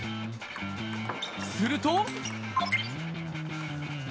すると。